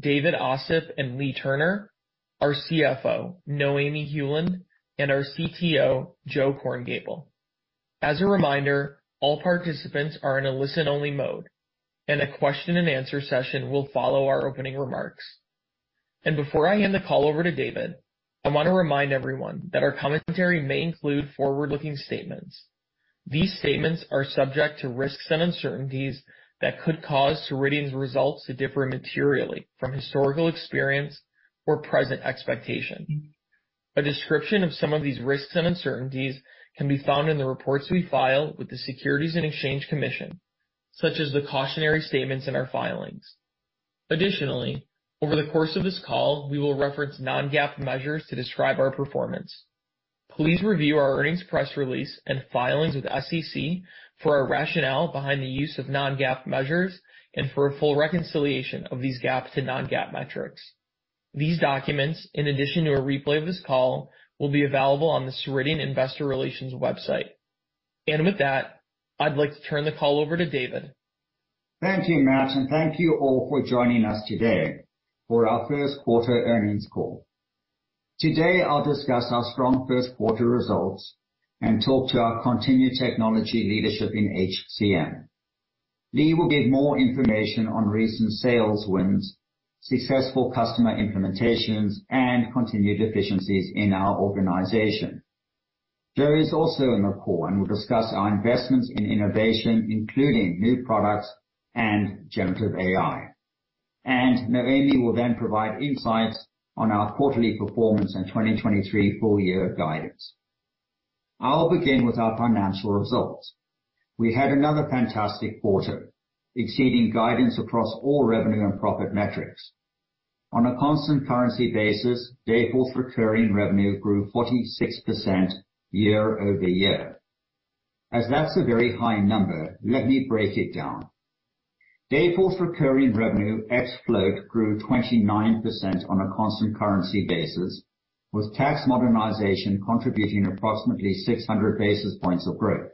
David Ossip and Leagh Turner, our CFO, Noemie Heuland, and our CTO, Joe Korngiebel. As a reminder, all participants are in a listen-only mode, and a question and answer session will follow our opening remarks. Before I hand the call over to David, I wanna remind everyone that our commentary may include forward-looking statements. These statements are subject to risks and uncertainties that could cause Dayforce's results to differ materially from historical experience or present expectation. A description of some of these risks and uncertainties can be found in the reports we file with the Securities and Exchange Commission, such as the cautionary statements in our filings. Additionally, over the course of this call, we will reference non-GAAP measures to describe our performance. Please review our earnings press release and filings with SEC for our rationale behind the use of non-GAAP measures and for a full reconciliation of these GAAP to non-GAAP metrics. These documents, in addition to a replay of this call, will be available on the Ceridian Investor Relations website. With that, I'd like to turn the call over to David. Thank you, Matt, and thank you all for joining us today for our first quarter earnings call. Today, I'll discuss our strong first quarter results and talk to our continued technology leadership in HCM. Leagh will give more information on recent sales wins, successful customer implementations, and continued efficiencies in our organization. Joe is also on the call and will discuss our investments in innovation, including new products and generative AI. Noemi will then provide insights on our quarterly performance and 2023 full year guidance. I'll begin with our financial results. We had another fantastic quarter, exceeding guidance across all revenue and profit metrics. On a constant currency basis, Dayforce recurring revenue grew 46% year-over-year. As that's a very high number, let me break it down. Dayforce recurring revenue at float grew 29% on a constant currency basis, with tax modernization contributing approximately 600 basis points of growth.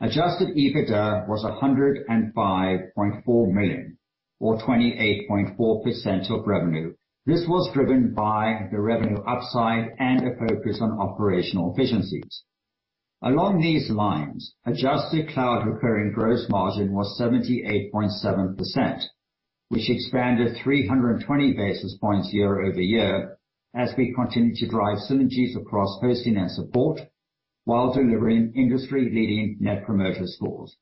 Adjusted EBITDA was $105.4 million, or 28.4% of revenue. This was driven by the revenue upside and a focus on operational efficiencies. Along these lines, adjusted cloud recurring gross margin was 78.7%, which expanded 320 basis points year-over-year as we continued to drive synergies across hosting and support while delivering industry-leading Net Promoter Scores.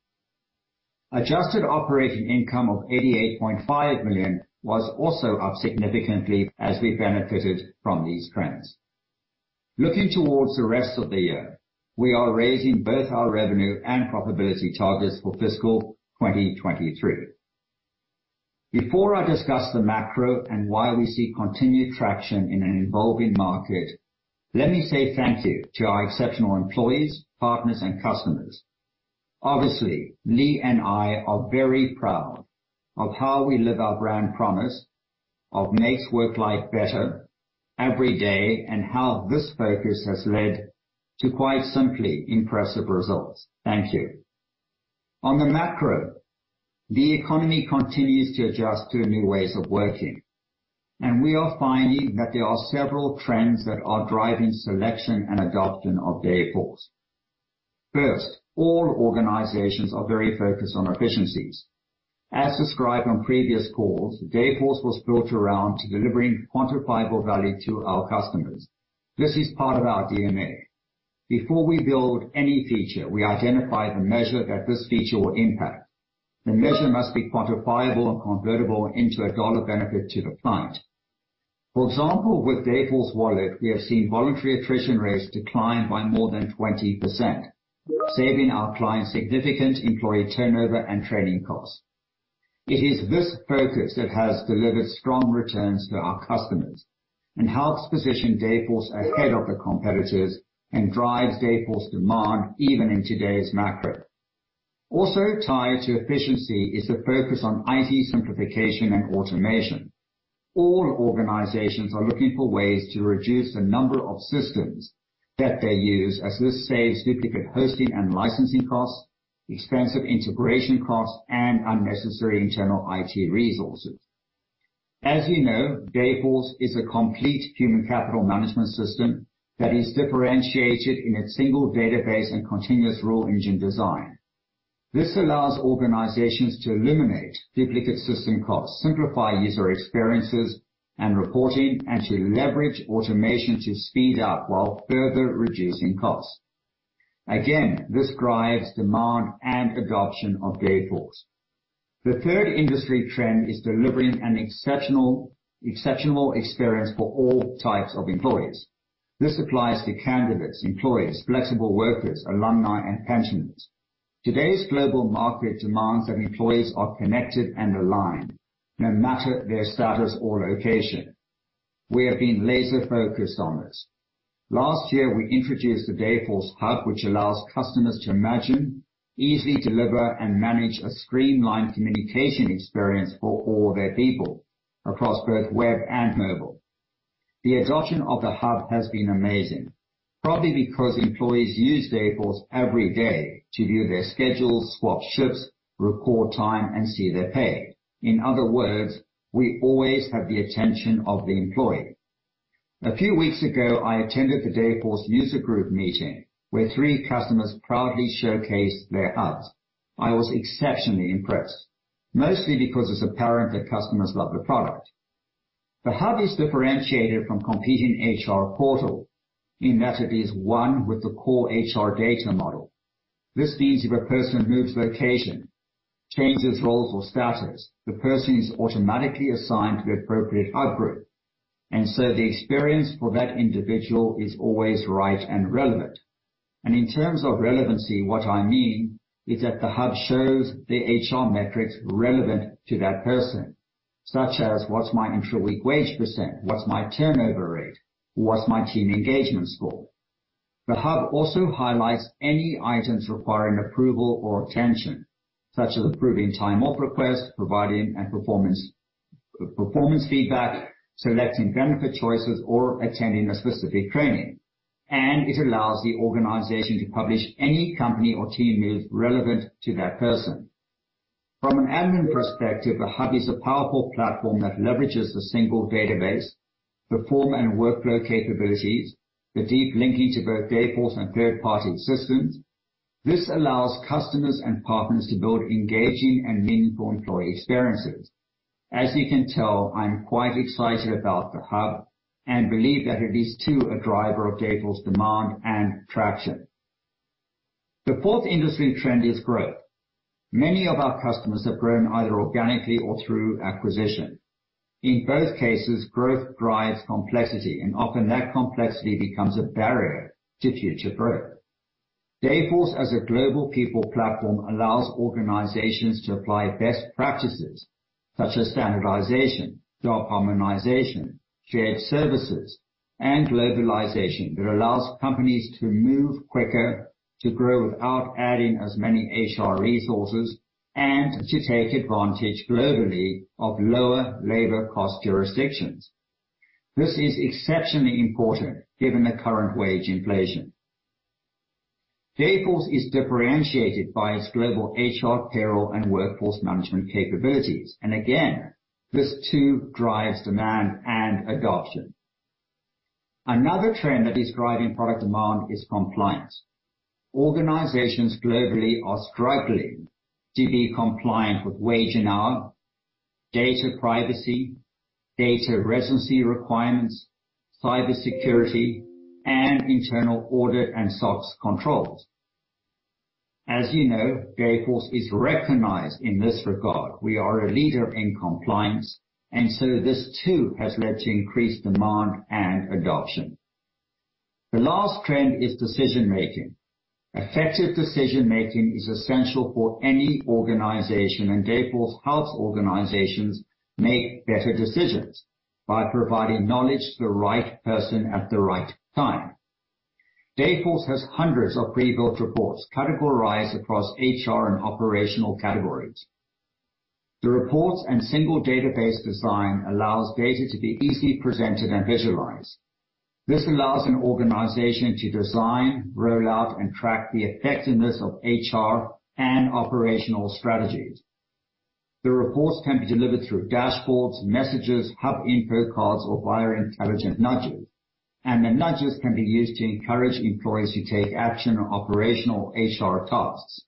Adjusted operating income of $88.5 million was also up significantly as we benefited from these trends. Looking towards the rest of the year, we are raising both our revenue and profitability targets for fiscal 2023. Before I discuss the macro and why we see continued traction in an evolving market, let me say thank you to our exceptional employees, partners, and customers. Obviously, Leagh and I are very proud of how we live our brand promise of Makes Work Life Better every day, and how this focus has led to, quite simply, impressive results. Thank you. On the macro, the economy continues to adjust to new ways of working, and we are finding that there are several trends that are driving selection and adoption of Dayforce. First, all organizations are very focused on efficiencies. As described on previous calls, Dayforce was built around delivering quantifiable value to our customers. This is part of our DNA. Before we build any feature, we identify the measure that this feature will impact. The measure must be quantifiable and convertible into a dollar benefit to the client. For example, with Dayforce Wallet, we have seen voluntary attrition rates decline by more than 20%, saving our clients significant employee turnover and training costs. It is this focus that has delivered strong returns to our customers and helps position Dayforce ahead of the competitors and drives Dayforce demand even in today's macro. Also tied to efficiency is the focus on IT simplification and automation. All organizations are looking for ways to reduce the number of systems that they use, as this saves duplicate hosting and licensing costs, expensive integration costs, and unnecessary internal IT resources. As you know, Dayforce is a complete human capital management system that is differentiated in its single database and continuous rule engine design. This allows organizations to eliminate duplicate system costs, simplify user experiences and reporting, and to leverage automation to speed up while further reducing costs. This drives demand and adoption of Dayforce. The third industry trend is delivering an exceptional experience for all types of employees. This applies to candidates, employees, flexible workers, alumni, and pensioners. Today's global market demands that employees are connected and aligned no matter their status or location. We have been laser focused on this. Last year, we introduced the Dayforce Hub, which allows customers to imagine, easily deliver, and manage a streamlined communication experience for all their people across both web and mobile. The adoption of the Hub has been amazing, probably because employees use Dayforce every day to view their schedules, swap shifts, record time, and see their pay. In other words, we always have the attention of the employee. A few weeks ago, I attended the Dayforce user group meeting, where three customers proudly showcased their Hubs. I was exceptionally impressed, mostly because it's apparent that customers love the product. The Hub is differentiated from competing HR portal in that it is one with the core HR data model. This means if a person moves location, changes roles or status, the person is automatically assigned to the appropriate Hub group, and so the experience for that individual is always right and relevant. In terms of relevancy, what I mean is that the Hub shows the HR metrics relevant to that person, such as what's my intra-week wage percent? What's my turnover rate? What's my team engagement score? The Hub also highlights any items requiring approval or attention, such as approving time off requests, providing a performance feedback, selecting benefit choices, or attending a specific training. It allows the organization to publish any company or team news relevant to that person. From an admin perspective, the Hub is a powerful platform that leverages the single database, the form and workflow capabilities, the deep linking to both Dayforce and third-party systems. This allows customers and partners to build engaging and meaningful employee experiences. As you can tell, I'm quite excited about the Hub and believe that it is too a driver of Dayforce demand and traction. The fourth industry trend is growth. Many of our customers have grown either organically or through acquisition. In both cases, growth drives complexity, and often that complexity becomes a barrier to future growth. Dayforce, as a global people platform, allows organizations to apply best practices such as standardization, job harmonization, shared services, and globalization that allows companies to move quicker, to grow without adding as many HR resources, and to take advantage globally of lower labor cost jurisdictions. This is exceptionally important given the current wage inflation. Dayforce is differentiated by its global HR, payroll, and workforce management capabilities. Again, this too drives demand and adoption. Another trend that is driving product demand is compliance. Organizations globally are struggling to be compliant with wage and hour, data privacy, data residency requirements, cybersecurity, and internal audit and SOX controls. As you know, Dayforce is recognized in this regard. We are a leader in compliance. This too has led to increased demand and adoption. The last trend is decision-making. Effective decision-making is essential for any organization. Dayforce helps organizations make better decisions by providing knowledge to the right person at the right time. Dayforce has hundreds of pre-built reports categorized across HR and operational categories. The reports and single database design allows data to be easily presented and visualized. This allows an organization to design, roll out, and track the effectiveness of HR and operational strategies. The reports can be delivered through dashboards, messages, Hub info cards, or via intelligent nudges, and the nudges can be used to encourage employees to take action on operational HR tasks.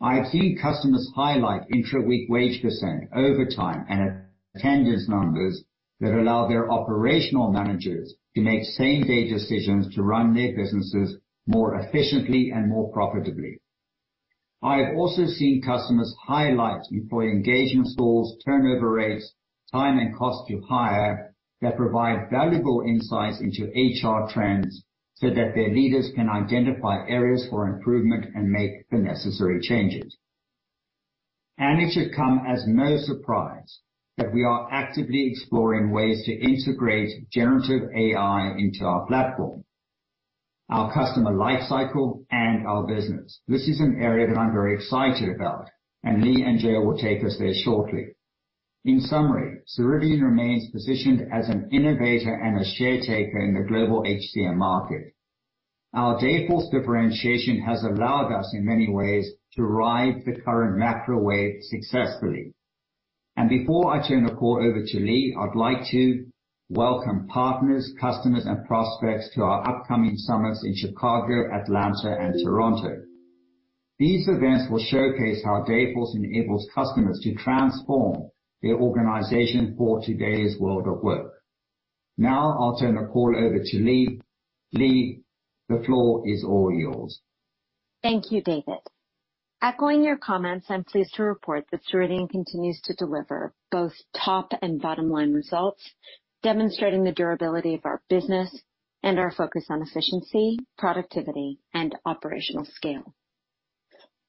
I've seen customers highlight intra-week wage percent, overtime, and attendance numbers that allow their operational managers to make same-day decisions to run their businesses more efficiently and more profitably. I have also seen customers highlight employee engagement scores, turnover rates, time and cost to hire that provide valuable insights into HR trends so that their leaders can identify areas for improvement and make the necessary changes. It should come as no surprise that we are actively exploring ways to integrate generative AI into our platform, our customer life cycle, and our business. This is an area that I'm very excited about. Leagh and Joe will take us there shortly. In summary, Ceridian remains positioned as an innovator and a share taker in the global HCM market. Our Dayforce differentiation has allowed us in many ways to ride the current macro wave successfully. Before I turn the call over to Leagh, I'd like to welcome partners, customers, and prospects to our upcoming summits in Chicago, Atlanta, and Toronto. These events will showcase how Dayforce enables customers to transform their organization for today's world of work. I'll turn the call over to Leagh. Leagh, the floor is all yours. Thank you, David. Echoing your comments, I'm pleased to report that Dayforce continues to deliver both top and bottom-line results, demonstrating the durability of our business and our focus on efficiency, productivity, and operational scale.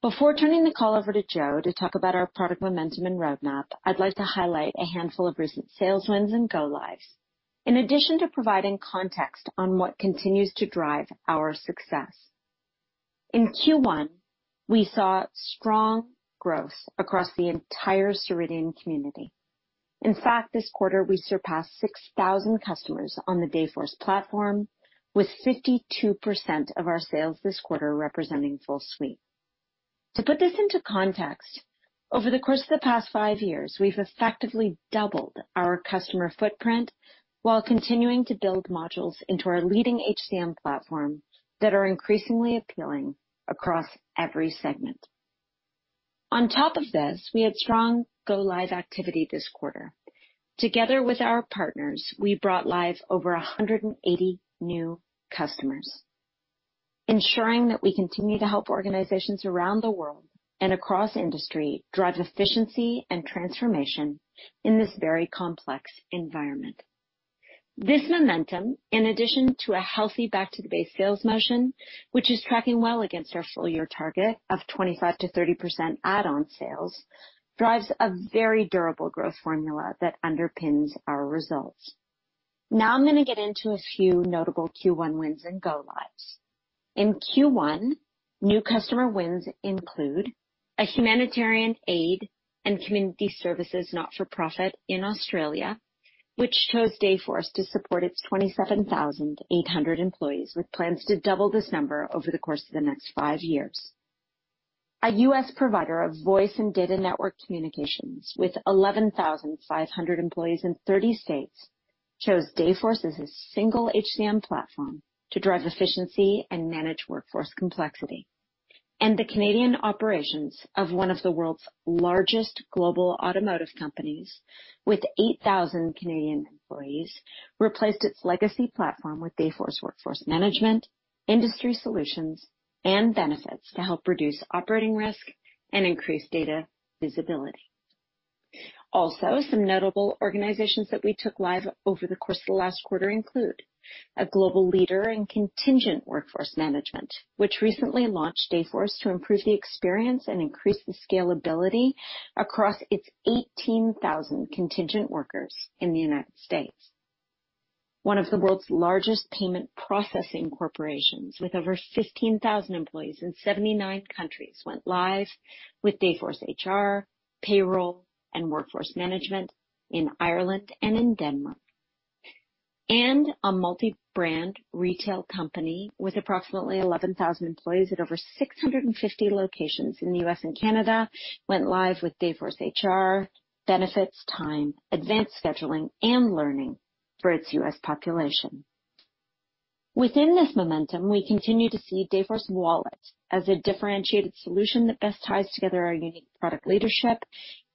Before turning the call over to Joe to talk about our product momentum and roadmap, I'd like to highlight a handful of recent sales wins and go lives in addition to providing context on what continues to drive our success. In Q1, we saw strong growth across the entire Dayforce community. In fact, this quarter we surpassed 6,000 customers on the Dayforce platform, with 52% of our sales this quarter representing full suite. To put this into context, over the course of the past five years, we've effectively doubled our customer footprint while continuing to build modules into our leading HCM platform that are increasingly appealing across every segment. On top of this, we had strong go live activity this quarter. Together with our partners, we brought live over 180 new customers, ensuring that we continue to help organizations around the world and across industry drive efficiency and transformation in this very complex environment. This momentum, in addition to a healthy back-to-the-base sales motion, which is tracking well against our full year target of 25%-30% add-on sales, drives a very durable growth formula that underpins our results. I'm gonna get into a few notable Q1 wins and go lives. In Q1, new customer wins include a humanitarian aid and community services not-for-profit in Australia, which chose Dayforce to support its 27,800 employees, with plans to double this number over the course of the next five years. A U.S. provider of voice and data network communications with 11,500 employees in 30 states chose Dayforce as a single HCM platform to drive efficiency and manage workforce complexity. The Canadian operations of one of the world's largest global automotive companies with 8,000 Canadian employees replaced its legacy platform with Dayforce Workforce Management, Industry Solutions, and Benefits to help reduce operating risk and increase data visibility. Some notable organizations that we took live over the course of the last quarter include a global leader in contingent workforce management, which recently launched Dayforce to improve the experience and increase the scalability across its 18,000 contingent workers in the United States. One of the world's largest payment processing corporations with over 15,000 employees in 79 countries went live with Dayforce HR, Payroll, and Workforce Management in Ireland and in Denmark. A multi-brand retail company with approximately 11,000 employees at over 650 locations in the U.S. and Canada went live with Dayforce HR, Benefits, Time, Advanced Scheduling, and Learning for its U.S. population. Within this momentum, we continue to see Dayforce Wallet as a differentiated solution that best ties together our unique product leadership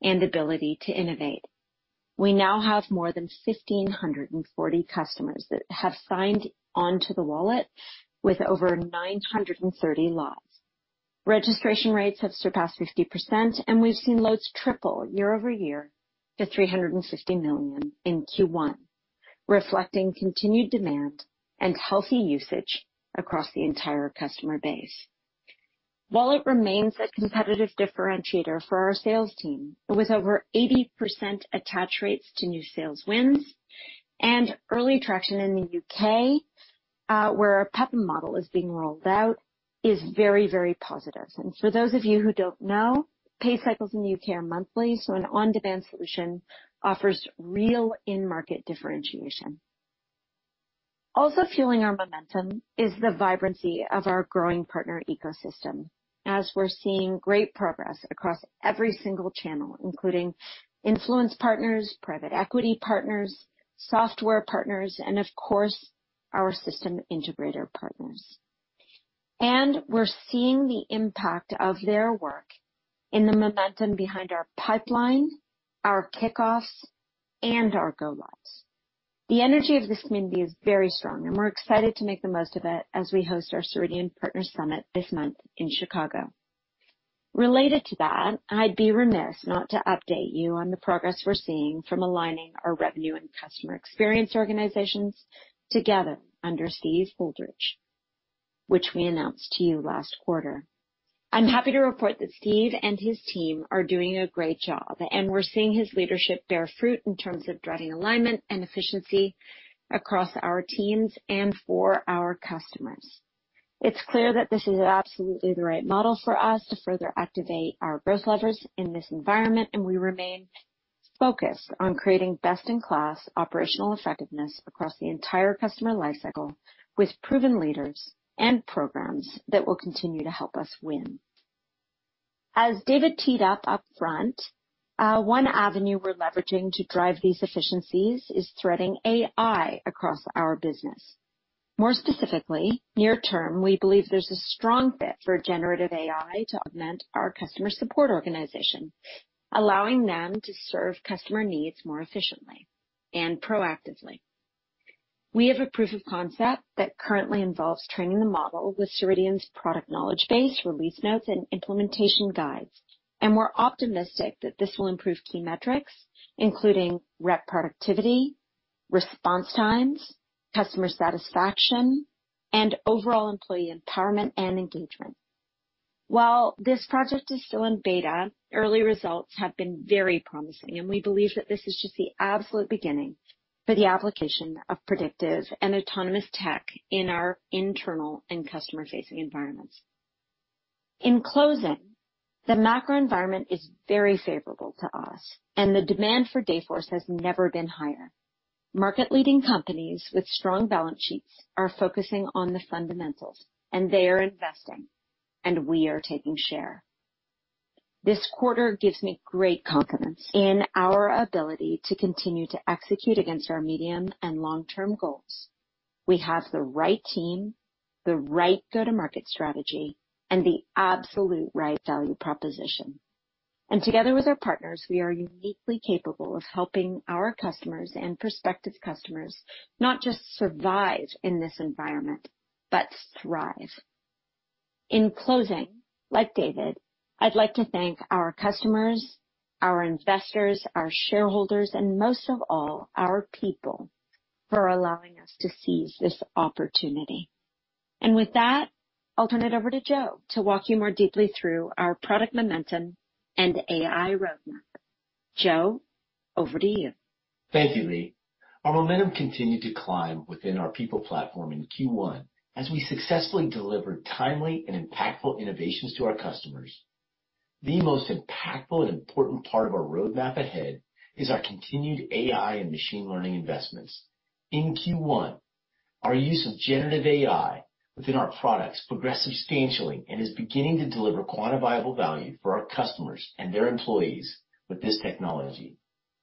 and ability to innovate. We now have more than 1,540 customers that have signed onto the Wallet with over 930 lives. Registration rates have surpassed 50%, and we've seen loads triple year-over-year to $360 million in Q1, reflecting continued demand and healthy usage across the entire customer base. Wallet remains a competitive differentiator for our sales team, with over 80% attach rates to new sales wins and early traction in the U.K., where a PEP model is being rolled out is very, very positive. For those of you who don't know, pay cycles in the U.K. are monthly, so an on-demand solution offers real in-market differentiation. Also fueling our momentum is the vibrancy of our growing partner ecosystem as we're seeing great progress across every single channel, including influence partners, private equity partners, software partners, and of course, our system integrator partners. We're seeing the impact of their work in the momentum behind our pipeline, our kickoffs, and our go lives. The energy of this community is very strong, and we're excited to make the most of it as we host our Ceridian Partner Summit this month in Chicago. I'd be remiss not to update you on the progress we're seeing from aligning our revenue and customer experience organizations together under Steve Holdridge, which we announced to you last quarter. I'm happy to report that Steve and his team are doing a great job, and we're seeing his leadership bear fruit in terms of driving alignment and efficiency across our teams and for our customers. It's clear that this is absolutely the right model for us to further activate our growth levers in this environment, and we remain focused on creating best-in-class operational effectiveness across the entire customer lifecycle with proven leaders and programs that will continue to help us win. As David teed up upfront, one avenue we're leveraging to drive these efficiencies is threading AI across our business. More specifically, near term, we believe there's a strong fit for generative AI to augment our customer support organization, allowing them to serve customer needs more efficiently and proactively. We have a proof of concept that currently involves training the model with Dayforce's product knowledge base, release notes, and implementation guides. We're optimistic that this will improve key metrics, including rep productivity, response times, customer satisfaction, and overall employee empowerment and engagement. While this project is still in beta, early results have been very promising, and we believe that this is just the absolute beginning for the application of predictive and autonomous tech in our internal and customer-facing environments. In closing, the macro environment is very favorable to us, the demand for Dayforce has never been higher. Market leading companies with strong balance sheets are focusing on the fundamentals, they are investing, we are taking share. This quarter gives me great confidence in our ability to continue to execute against our medium and long-term goals. We have the right team, the right go-to-market strategy, and the absolute right value proposition. Together with our partners, we are uniquely capable of helping our customers and prospective customers not just survive in this environment, but thrive. In closing, like David, I'd like to thank our customers, our investors, our shareholders, and most of all, our people, for allowing us to seize this opportunity. With that, I'll turn it over to Joe to walk you more deeply through our product momentum and AI roadmap. Joe, over to you. Thank you, Leagh. Our momentum continued to climb within our people platform in Q1 as we successfully delivered timely and impactful innovations to our customers. The most impactful and important part of our roadmap ahead is our continued AI and machine learning investments. In Q1, our use of generative AI within our products progressed substantially and is beginning to deliver quantifiable value for our customers and their employees with this technology.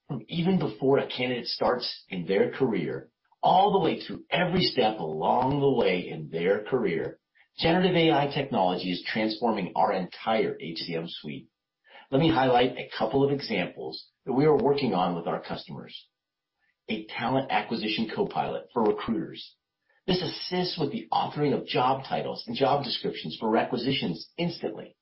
From even before a candidate starts in their career, all the way through every step along the way in their career, generative AI technology is transforming our entire HCM suite. Let me highlight a couple of examples that we are working on with our customers. A talent acquisition copilot for recruiters. This assists with the authoring of job titles and job descriptions for requisitions instantly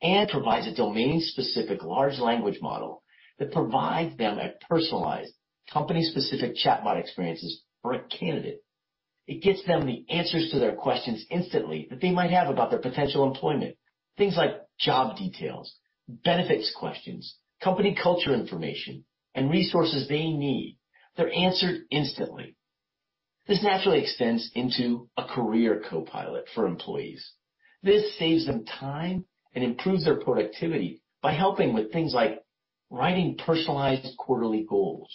and provides a domain-specific large language model that provides them a personalized company-specific chatbot experiences for a candidate. It gets them the answers to their questions instantly that they might have about their potential employment. Things like job details, benefits questions, company culture information, and resources they need. They're answered instantly. This naturally extends into a career copilot for employees. This saves them time and improves their productivity by helping with things like writing personalized quarterly goals,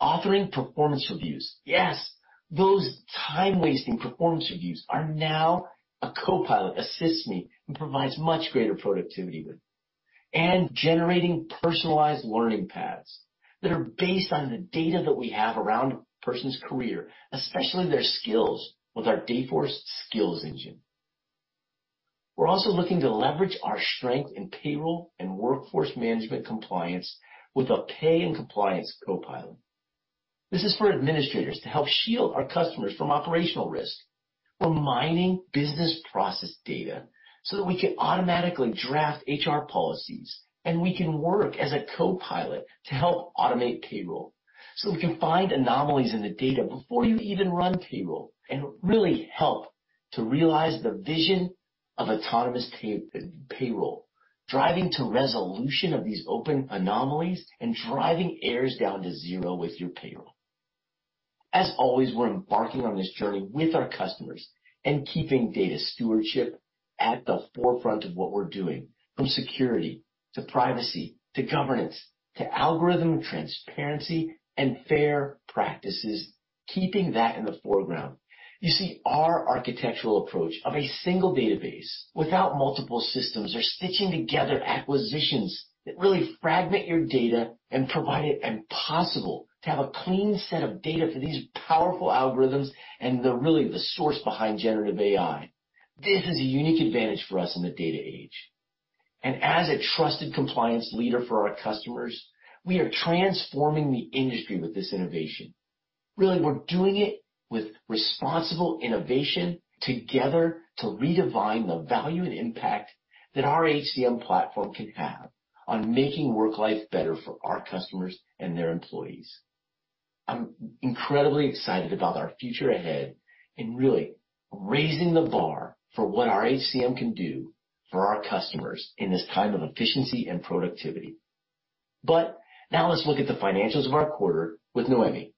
authoring performance reviews. Yes, those time-wasting performance reviews are now a copilot assists me and provides much greater productivity with. Generating personalized learning paths that are based on the data that we have around a person's career, especially their skills with our Dayforce Skills Engine. We're also looking to leverage our strength in payroll and workforce management compliance with a pay and compliance copilot. This is for administrators to help shield our customers from operational risk. We're mining business process data so that we can automatically draft HR policies, and we can work as a copilot to help automate payroll, so we can find anomalies in the data before you even run payroll and really help to realize the vision of autonomous payroll, driving to resolution of these open anomalies and driving errors down to 0 with your payroll. As always, we're embarking on this journey with our customers and keeping data stewardship at the forefront of what we're doing, from security to privacy to governance to algorithm transparency and fair practices, keeping that in the foreground. You see, our architectural approach of a single database without multiple systems or stitching together acquisitions that really fragment your data and provide it impossible to have a clean set of data for these powerful algorithms and really, the source behind generative AI. This is a unique advantage for us in the data age. As a trusted compliance leader for our customers, we are transforming the industry with this innovation. Really, we're doing it with responsible innovation together to redefine the value and impact that our HCM platform can have on making work life better for our customers and their employees. I'm incredibly excited about our future ahead and really raising the bar for what our HCM can do for our customers in this time of efficiency and productivity. Now let's look at the financials of our quarter with Noemi.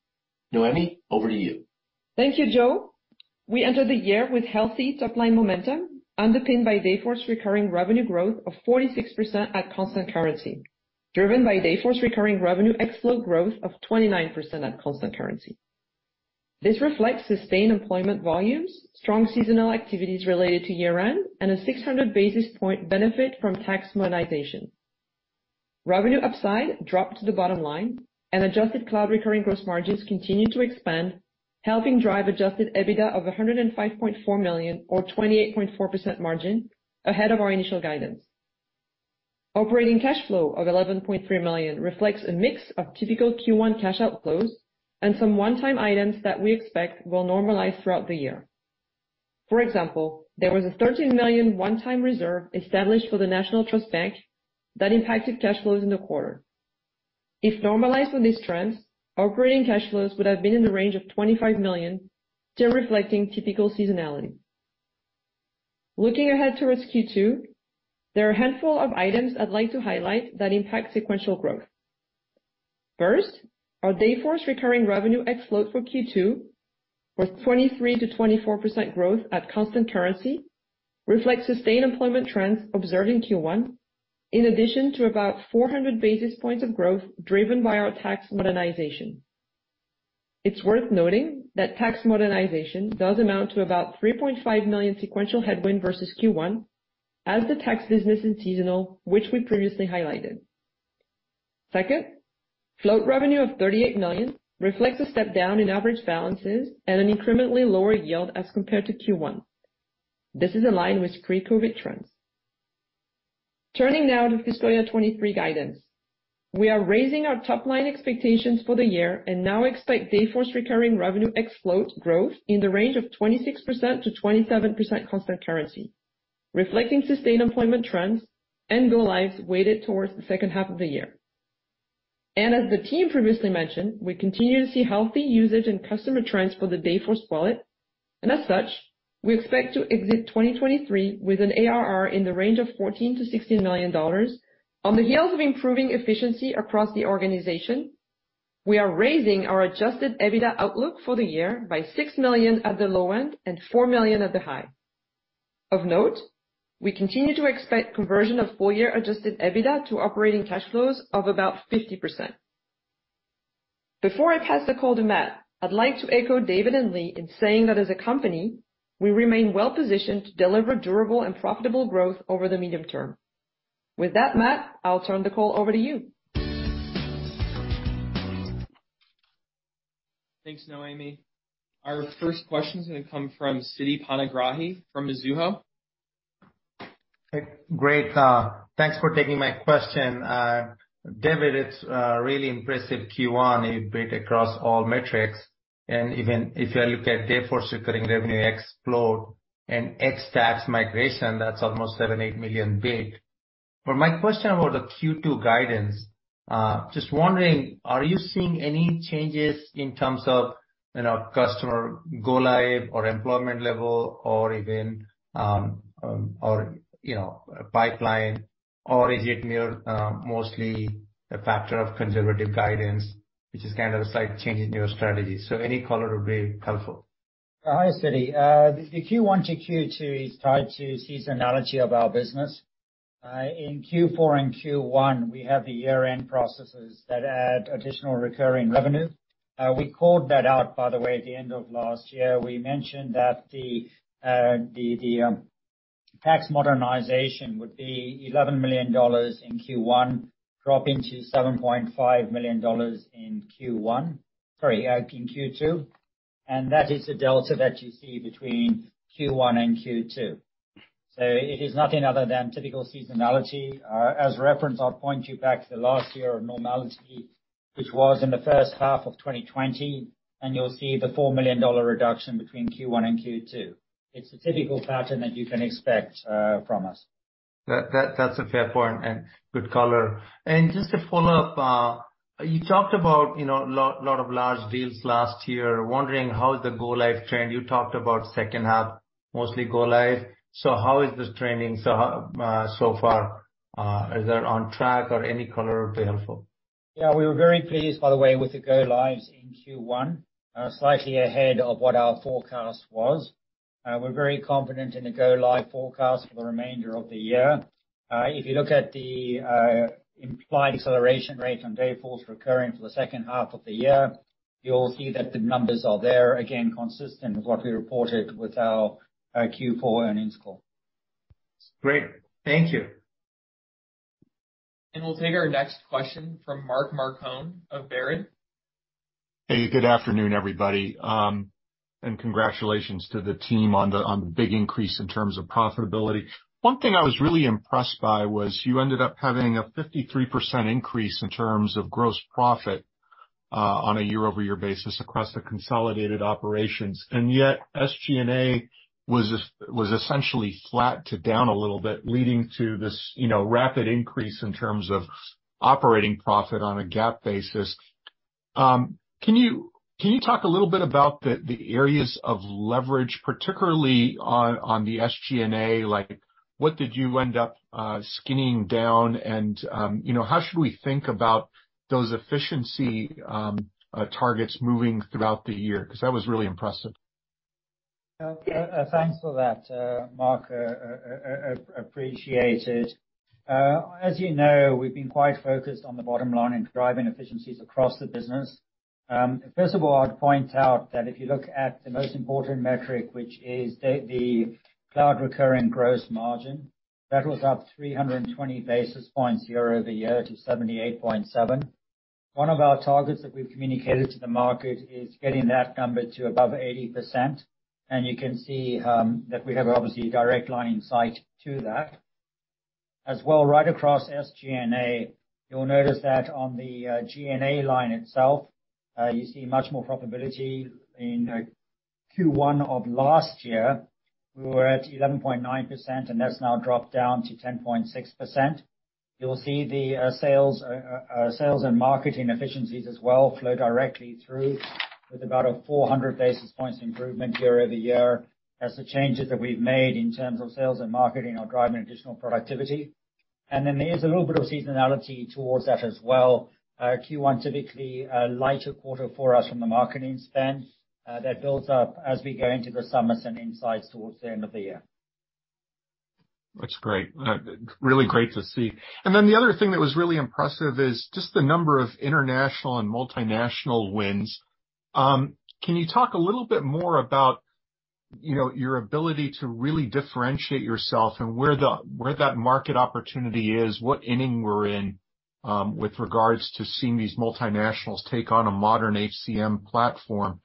Noemi, over to you. Thank you, Joe. We entered the year with healthy top-line momentum underpinned by Dayforce recurring revenue growth of 46% at constant currency, driven by Dayforce recurring revenue ex flow growth of 29% at constant currency. This reflects sustained employment volumes, strong seasonal activities related to year-end, and a 600 basis point benefit from tax monetization. Revenue upside dropped to the bottom line and adjusted cloud recurring gross margins continued to expand, helping drive adjusted EBITDA of $105.4 million or 28.4% margin ahead of our initial guidance. Operating cash flow of $11.3 million reflects a mix of typical Q1 cash outflows and some one-time items that we expect will normalize throughout the year. For example, there was a $13 million one-time reserve established for the National Trust Bank that impacted cash flows in the quarter. If normalized with this trend, operating cash flows would have been in the range of $25 million, still reflecting typical seasonality. Looking ahead towards Q2, there are a handful of items I'd like to highlight that impact sequential growth. First, our Dayforce recurring revenue ex float for Q2 was 23%-24% growth at constant currency, reflects sustained employment trends observed in Q1, in addition to about 400 basis points of growth driven by our tax modernization. It's worth noting that tax modernization does amount to about $3.5 million sequential headwind versus Q1 as the tax business is seasonal, which we previously highlighted. Second, float revenue of $38 million reflects a step down in average balances and an incrementally lower yield as compared to Q1. This is aligned with pre-COVID trends. Turning now to fiscal year 2023 guidance. We are raising our top line expectations for the year and now expect Dayforce recurring revenue ex float growth in the range of 26%-27% constant currency, reflecting sustained employment trends and go lives weighted towards the second half of the year. As the team previously mentioned, we continue to see healthy usage and customer trends for the Dayforce product. As such, we expect to exit 2023 with an ARR in the range of $14 million-$16 million. On the heels of improving efficiency across the organization, we are raising our adjusted EBITDA outlook for the year by $6 million at the low end and $4 million at the high. Of note, we continue to expect conversion of full year adjusted EBITDA to operating cash flows of about 50%. Before I pass the call to Matthew, I'd like to echo David and Leagh in saying that as a company, we remain well-positioned to deliver durable and profitable growth over the medium term. With that, Matthew, I'll turn the call over to you. Thanks, Noemi. Our first question is gonna come from Siti Panigrahi from Mizuho. Great. Thanks for taking my question. David, it's a really impressive Q1, a bit across all metrics. Even if you look at Dayforce recurring revenue ex float and ex tax migration, that's almost $7 million-$8 million bid. My question about the Q2 guidance, just wondering, are you seeing any changes in terms of, you know, customer go live or employment level or even, or you know, pipeline? Is it near, mostly a factor of conservative guidance, which is kind of like changing your strategy? Any color would be helpful. Hi, Siti. The Q1 to Q2 is tied to seasonality of our business. In Q4 and Q1, we have the year-end processes that add additional recurring revenue. We called that out, by the way, at the end of last year. We mentioned that the tax modernization would be $11 million in Q1, dropping to $7.5 million in Q2. That is the delta that you see between Q1 and Q2. It is nothing other than typical seasonality. As a reference, I'll point you back to the last year of normality, which was in the first half of 2020, you'll see the $4 million reduction between Q1 and Q2. It's a typical pattern that you can expect from us. That's a fair point and good color. Just to follow up, you talked about, you know, a lot of large deals last year. Wondering how the go-live trend, you talked about second half, mostly go live. How is this trending so far? Is that on track or any color would be helpful. Yeah, we were very pleased, by the way, with the go lives in Q1, slightly ahead of what our forecast was. We're very confident in the go-live forecast for the remainder of the year. If you look at the implied acceleration rate on Dayforce recurring for the second half of the year, you'll see that the numbers are there, again, consistent with what we reported with our Q4 earnings call. Great. Thank you. We'll take our next question from Mark Marcon of Baird. Hey, good afternoon, everybody. Congratulations to the team on the big increase in terms of profitability. One thing I was really impressed by was you ended up having a 53% increase in terms of gross profit on a year-over-year basis across the consolidated operations. Yet, SG&A was essentially flat to down a little bit, leading to this, you know, rapid increase in terms of operating profit on a GAAP basis. Can you talk a little bit about the areas of leverage, particularly on the SG&A? Like, what did you end up skinning down and, you know, how should we think about those efficiency targets moving throughout the year? Because that was really impressive. Thanks for that, Mark, appreciated. As you know, we've been quite focused on the bottom line and driving efficiencies across the business. First of all, I'd point out that if you look at the most important metric, which is the cloud recurring gross margin, that was up 320 basis points year-over-year to 78.7%. One of our targets that we've communicated to the market is getting that number to above 80%. You can see that we have obviously direct line in sight to that. As well, right across SG&A, you'll notice that on the G&A line itself, you see much more profitability in Q1 of last year, we were at 11.9%, and that's now dropped down to 10.6%. You'll see the sales and marketing efficiencies as well flow directly through with about a 400 basis points improvement year-over-year. That's the changes that we've made in terms of sales and marketing are driving additional productivity. There's a little bit of seasonality towards that as well. Q1, typically a lighter quarter for us from the marketing spend, that builds up as we go into the summers and insights towards the end of the year. That's great. really great to see. The other thing that was really impressive is just the number of international and multinational wins. Can you talk a little bit more about, you know, your ability to really differentiate yourself and where the, where that market opportunity is, what inning we're in, with regards to seeing these multinationals take on a modern HCM platform?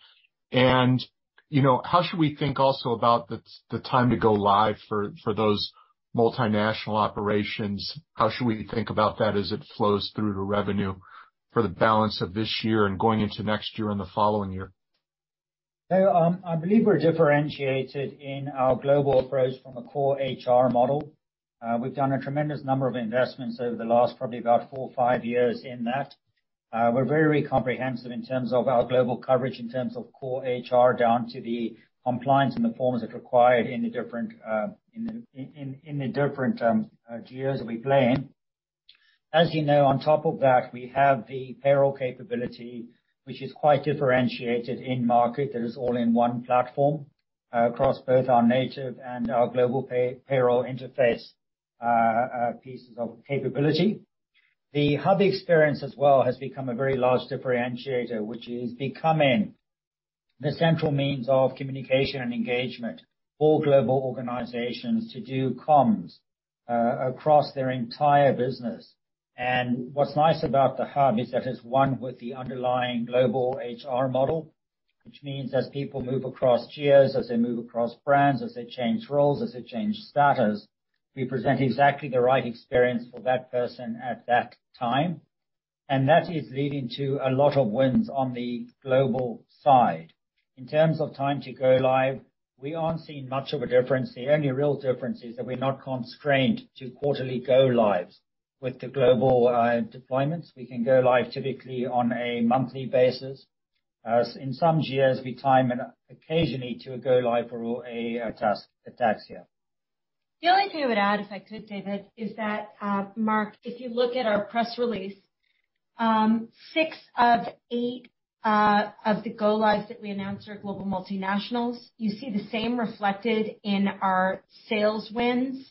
you know, how should we think also about the time to go live for those multinational operations? How should we think about that as it flows through to revenue for the balance of this year and going into next year and the following year? I believe we're differentiated in our global approach from a core HR model. We've done a tremendous number of investments over the last probably about four or five years in that. We're very comprehensive in terms of our global coverage, in terms of core HR down to the compliance and the forms that required in the different geos that we play in. As you know, on top of that, we have the payroll capability, which is quite differentiated in market. That is all in one platform across both our native and our global pay-payroll interface pieces of capability. The Hub experience as well has become a very large differentiator, which is becoming the central means of communication and engagement for global organizations to do comms across their entire business. What's nice about the Hub is that it's one with the underlying global HR model, which means as people move across geos, as they move across brands, as they change roles, as they change status, we present exactly the right experience for that person at that time. That is leading to a lot of wins on the global side. In terms of time to go live, we aren't seeing much of a difference. The only real difference is that we're not constrained to quarterly go lives. With the global deployments, we can go live typically on a monthly basis. In some geos, we time occasionally to a go live or a task year. The only thing I would add, if I could, David, is that Mark, if you look at our press release, six of eight of the go lives that we announced are global multinationals. You see the same reflected in our sales wins.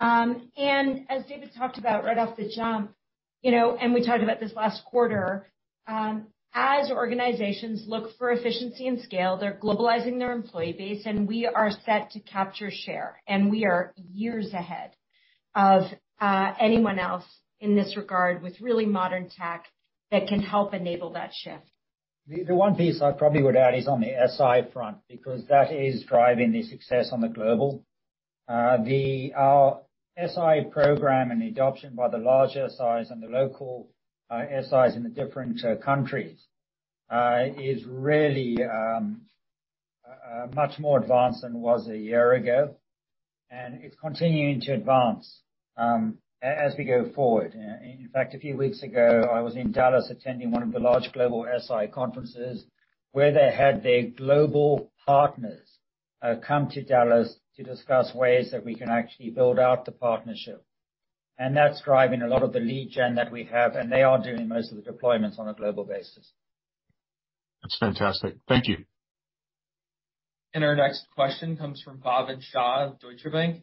As David talked about right off the jump, you know, and we talked about this last quarter, as organizations look for efficiency and scale, they're globalizing their employee base, and we are set to capture share, and we are years ahead of anyone else in this regard with really modern tech that can help enable that shift. The one piece I probably would add is on the SI front, because that is driving the success on the global. Our SI program and the adoption by the larger SIs and the local SIs in the different countries is really much more advanced than it was a year ago, and it's continuing to advance as we go forward. In fact, a few weeks ago, I was in Dallas attending one of the large global SI conferences where they had their global partners come to Dallas to discuss ways that we can actually build out the partnership. That's driving a lot of the lead gen that we have. They are doing most of the deployments on a global basis. That's fantastic. Thank you. Our next question comes from Bhavin Shah of Deutsche Bank.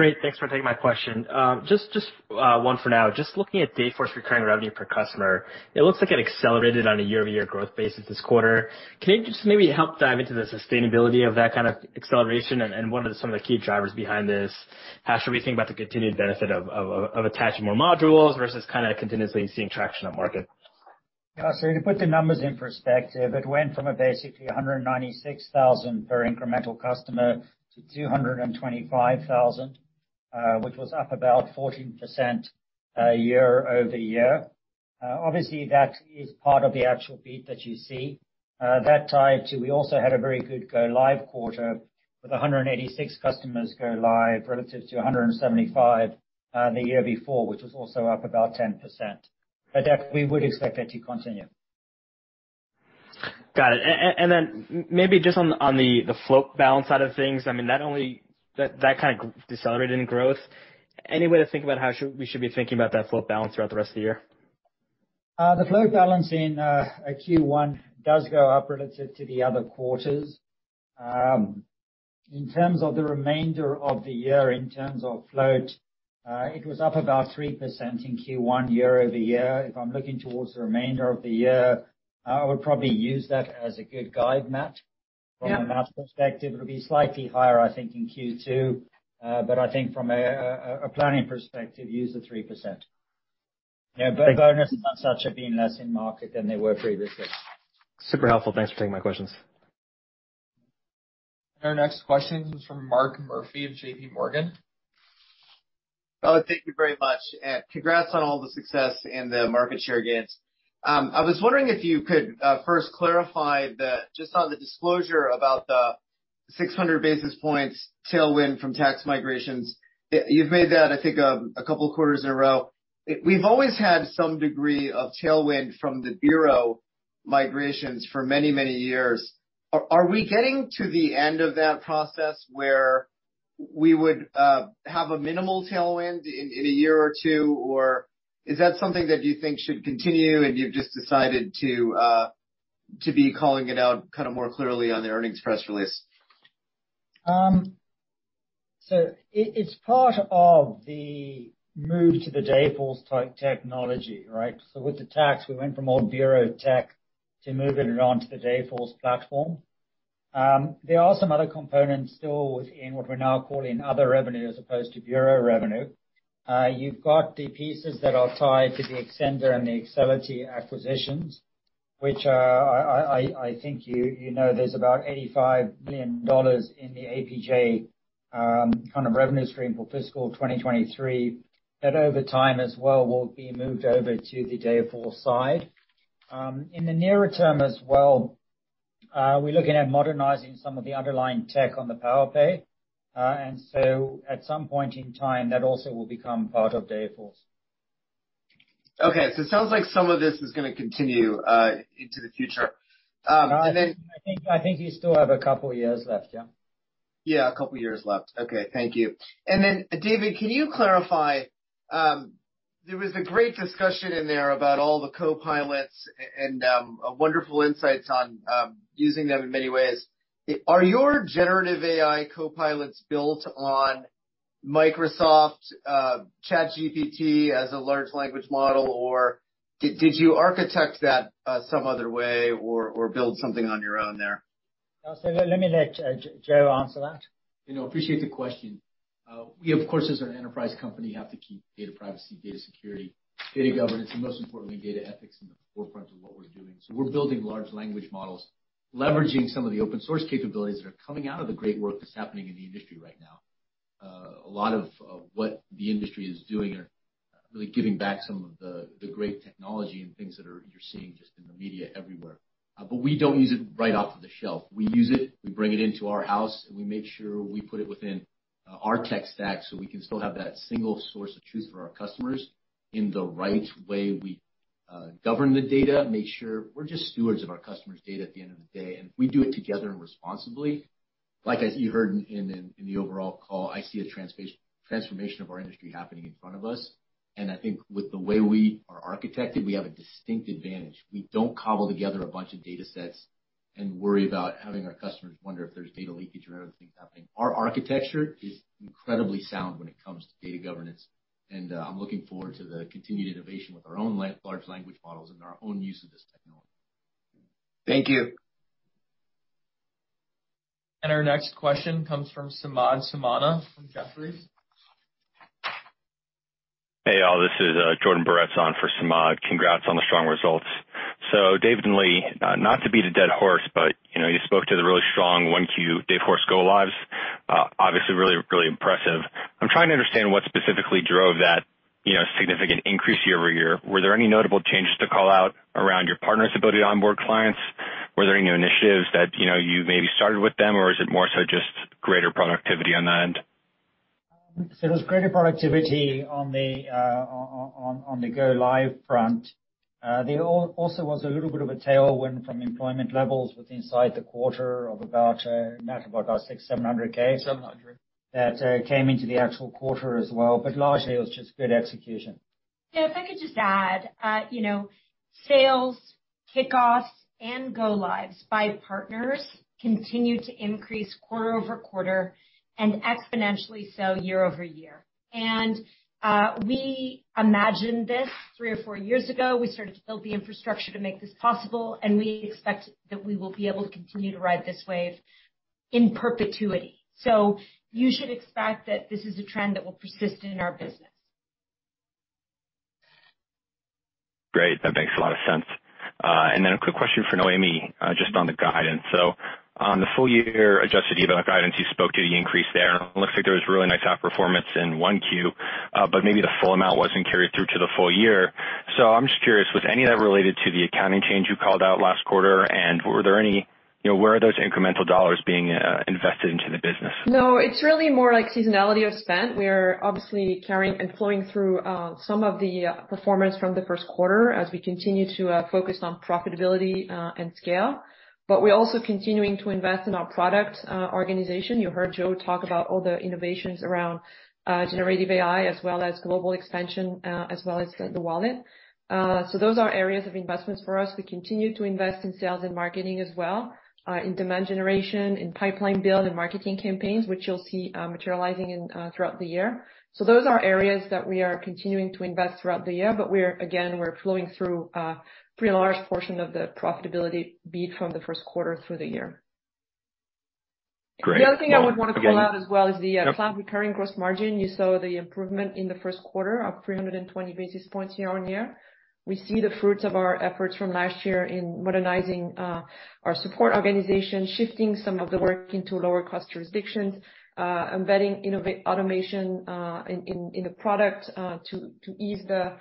Great. Thanks for taking my question. Just one for now. Just looking at Dayforce recurring revenue per customer, it looks like it accelerated on a year-over-year growth basis this quarter. Can you just maybe help dive into the sustainability of that kind of acceleration and what are some of the key drivers behind this? How should we think about the continued benefit of attaching more modules versus kind of continuously seeing traction on market? Yeah. To put the numbers in perspective, it went from a basically $196,000 per incremental customer to $225,000, which was up about 14% year-over-year. Obviously, that is part of the actual beat that you see. That tied to we also had a very good go live quarter with 186 customers go live relative to 175 the year before, which was also up about 10%. That, we would expect that to continue. Got it. Then maybe just on the float balance side of things, I mean, not only that kind of decelerated in growth. Any way to think about how we should be thinking about that float balance throughout the rest of the year? The float balance in Q1 does go up relative to the other quarters. In terms of the remainder of the year, in terms of float, it was up about 3% in Q1 year-over-year. If I'm looking towards the remainder of the year, I would probably use that as a good guide, Bhav. Yeah. From a math perspective, it'll be slightly higher, I think, in Q2. I think from a planning perspective, use the 3%. You know, bonuses and such have been less in market than they were previously. Super helpful. Thanks for taking my questions. Our next question is from Mark Murphy of JPMorgan. Thank you very much, and congrats on all the success and the market share gains. I was wondering if you could first clarify just on the disclosure about the 600 basis points tailwind from tax migrations. You've made that, I think, a couple of quarters in a row. We've always had some degree of tailwind from the bureau migrations for many, many years. Are we getting to the end of that process where we would have a minimal tailwind in a year or two? Or is that something that you think should continue and you've just decided to be calling it out kinda more clearly on the earnings press release? It's part of the move to the Dayforce type technology, right? With the tax, we went from old bureau tech to moving it onto the Dayforce platform. There are some other components still within what we're now calling other revenue as opposed to bureau revenue. You've got the pieces that are tied to the Excelity and the Excelity acquisitions, which are, I think you know, there's about $85 million in the APJ kind of revenue stream for fiscal 2023. That over time as well will be moved over to the Dayforce side. In the nearer term as well, we're looking at modernizing some of the underlying tech on the Powerpay. At some point in time, that also will become part of Dayforce. Okay, it sounds like some of this is gonna continue into the future. I think, I think you still have a couple years left, yeah. Yeah, two years left. Okay, thank you. Then David, can you clarify, there was a great discussion in there about all the copilots and wonderful insights on using them in many ways. Are your generative AI copilots built on Microsoft, ChatGPT as a large language model, or did you architect that some other way or build something on your own there? Let me let Joe answer that. You know, appreciate the question. We of course as an enterprise company have to keep data privacy, data security, data governance, and most importantly, data ethics in the forefront of what we're doing. We're building large language models, leveraging some of the open source capabilities that are coming out of the great work that's happening in the industry right now. A lot of what the industry is doing are really giving back some of the great technology and things that are, you're seeing just in the media everywhere. We don't use it right off-the-shelf. We use it, we bring it into our house, and we make sure we put it within our tech stack so we can still have that single source of truth for our customers in the right way we govern the data, make sure we're just stewards of our customers' data at the end of the day. We do it together and responsibly. Like as you heard in, in the overall call, I see a transformation of our industry happening in front of us. I think with the way we are architected, we have a distinct advantage. We don't cobble together a bunch of datasets and worry about having our customers wonder if there's data leakage or other things happening. Our architecture is incredibly sound when it comes to data governance. I'm looking forward to the continued innovation with our own large language models and our own use of this technology. Thank you. Our next question comes from Samad Samana from Jefferies. Hey, y'all. This is Jordan Boretz on for Samad. Congrats on the strong results. David and Leagh, not to beat a dead horse, but, you know, you spoke to the really strong 1Q Dayforce go lives. Obviously really impressive. I'm trying to understand what specifically drove that, you know, significant increase year-over-year. Were there any notable changes to call out around your partners' ability to onboard clients? Were there any new initiatives that, you know, you maybe started with them, or is it more so just greater productivity on that end? it was greater productivity on the go live front. There also was a little bit of a tailwind from employment levels with inside the quarter of about $600, $700- $700. That came into the actual quarter as well. Largely, it was just good execution. Yeah, if I could just add, you know, sales, kickoffs, and go lives by partners continue to increase quarter-over-quarter and exponentially so year-over-year. We imagined this three or four years ago. We started to build the infrastructure to make this possible, and we expect that we will be able to continue to ride this wave in perpetuity. You should expect that this is a trend that will persist in our business. Great. That makes a lot of sense. A quick question for Noemi, just on the guidance. On the full year adjusted EBITDA guidance, you spoke to the increase there. It looks like there was really nice outperformance in 1Q, but maybe the full amount wasn't carried through to the full year. I'm just curious, was any of that related to the accounting change you called out last quarter, and were there any, you know, where are those incremental dollars being invested into the business? No. It's really more like seasonality of spend. We're obviously carrying and flowing through some of the performance from the first quarter as we continue to focus on profitability and scale. We're also continuing to invest in our product organization. You heard Joe talk about all the innovations around generative AI as well as global expansion as well as the wallet. Those are areas of investments for us. We continue to invest in sales and marketing as well, in demand generation, in pipeline build and marketing campaigns, which you'll see materializing throughout the year. Those are areas that we are continuing to invest throughout the year, but we're, again, we're flowing through a pretty large portion of the profitability beat from the first quarter through the year. The other thing I would want to call out as well is the cloud recurring gross margin. You saw the improvement in the first quarter of 320 basis points year-on-year. We see the fruits of our efforts from last year in modernizing our support organization, shifting some of the work into lower cost jurisdictions, embedding innovate automation, in the product to ease the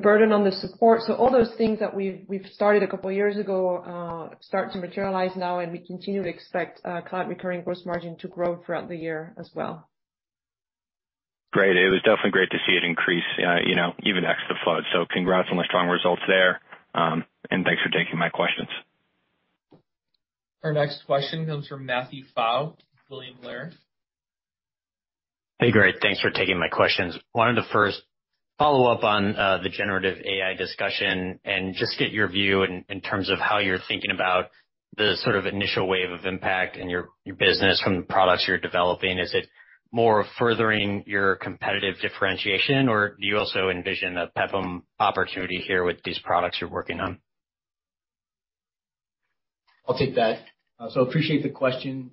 burden on the support. All those things that we've started a couple years ago, start to materialize now, and we continue to expect cloud recurring gross margin to grow throughout the year as well. Great. It was definitely great to see it increase, you know, even ex the flood. Congrats on the strong results there. Thanks for taking my questions. Our next question comes from Matthew Pfau, William Blair. Hey, great. Thanks for taking my questions. Wanted to first follow up on the generative AI discussion and just get your view in terms of how you're thinking about the sort of initial wave of impact in your business from the products you're developing. Is it more of furthering your competitive differentiation, or do you also envision a PEPM opportunity here with these products you're working on? I'll take that. Appreciate the question.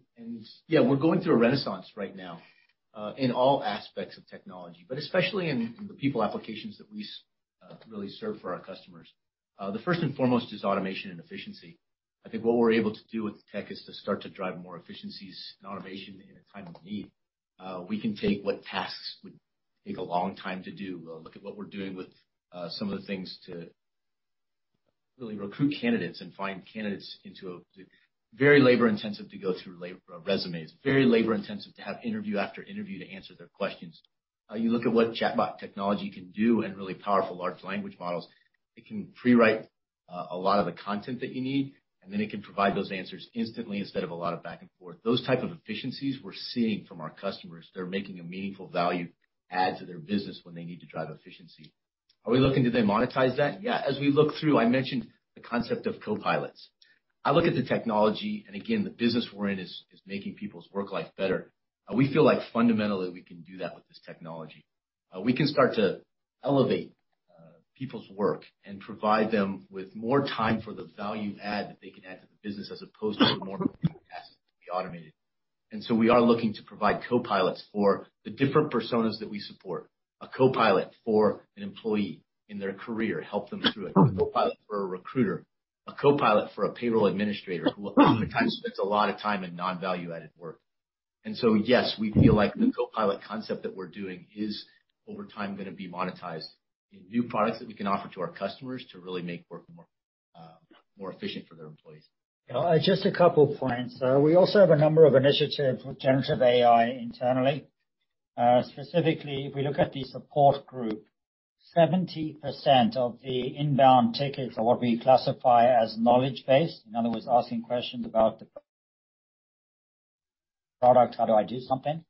Yeah, we're going through a renaissance right now in all aspects of technology, but especially in the people applications that we really serve for our customers. The first and foremost is automation and efficiency. I think what we're able to do with the tech is to start to drive more efficiencies and automation in a time of need. We can take what tasks would take a long time to do. We'll look at what we're doing with some of the things to really recruit candidates and find candidates into a very labor-intensive to go through resumes. Very labor-intensive to have interview after interview to answer their questions. You look at what chatbot technology can do and really powerful large language models, it can prewrite a lot of the content that you need, and then it can provide those answers instantly instead of a lot of back and forth. Those type of efficiencies we're seeing from our customers. They're making a meaningful value add to their business when they need to drive efficiency. Are we looking to then monetize that? Yeah. As we look through, I mentioned the concept of copilots. I look at the technology, and again, the business we're in is Makes Work Life Better. We feel like fundamentally we can do that with this technology. We can start to elevate people's work and provide them with more time for the value add that they can add to the business as opposed to more tasks to be automated. We are looking to provide copilots for the different personas that we support. A copilot for an employee in their career, help them through it. A copilot for a recruiter, a copilot for a payroll administrator who oftentimes spends a lot of time in non-value-added work. Yes, we feel like the copilot concept that we're doing is over time, gonna be monetized in new products that we can offer to our customers to really make work more efficient for their employees. Just a couple points. We also have a number of initiatives with generative AI internally. Specifically, if we look at the support group, 70% of the inbound tickets are what we classify as knowledge-based. In other words, asking questions about the product, how do I do something?